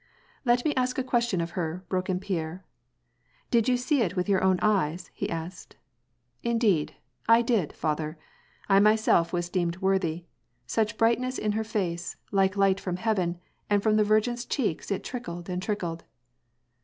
" Let me ask a question of her," broke in Pierre. " Did you see it with your own eyes ?" he asked. " Indeed, I did, father ; I myself wiis deemed worthy. Such brightness in her face, like light from heaven, and from the Virgin's cheeks it trickled and trickled."